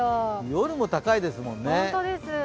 夜も高いですもんね。